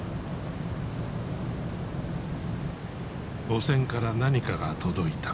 母船から何かが届いた。